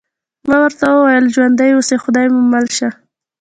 ما ورته وویل: ژوندي اوسئ، خدای مو مل شه.